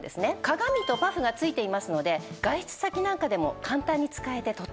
鏡とパフが付いていますので外出先なんかでも簡単に使えてとっても便利なんです。